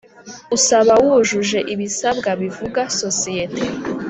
Usaba wujuje ibisabwa bivuga sosiyete